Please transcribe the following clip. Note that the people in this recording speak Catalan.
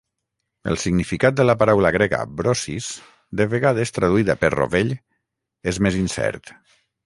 El significat de la paraula grega "brossis", de vegades traduïda per "rovell", és més incert.